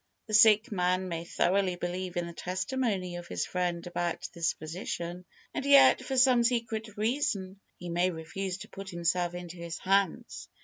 The sick man may thoroughly believe in the testimony of his friend about this physician, and yet, for some secret reason, he may refuse to put himself into his hands.